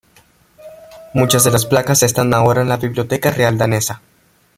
Muchas de las placas están ahora en la Biblioteca Real danesa.